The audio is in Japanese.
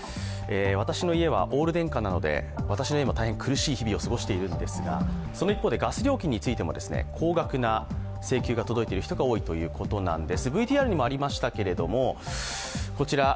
私の家はオール電化なので、私の家も大変苦しい日々を過ごしているのですが、その一方でガス料金についても高額な請求が届いている方が多いということなんです。